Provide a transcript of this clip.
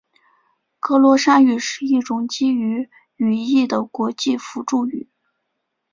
格罗沙语是一种基于语义的国际辅助语。